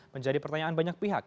menjadi pertanyaan banyak pihak